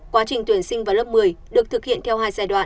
quá trình tuyển sinh vào lớp một mươi được thực hiện theo hai giai đoạn